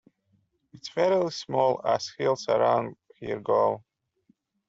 It's fairly small as hills around here go.